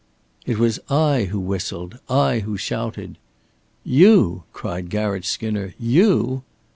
"It was I who whistled. I who shouted." "You!" cried Garratt Skinner. "You!"